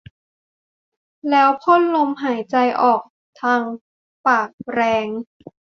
แล้วพ่นลมหายใจออกทางปากแรง